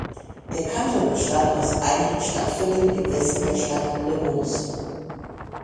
Der Kanton bestand aus einigen Stadtvierteln im Westen der Stadt Le Mans.